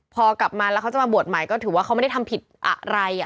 พอกลับมาแล้วเขาจะมาบวชใหม่ก็ถือว่าเขาไม่ได้ทำผิดอะไร